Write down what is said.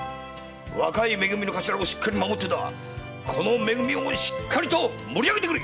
若いめ組の頭をしっかり守ってこのめ組をしっかりと盛り上げてくれ！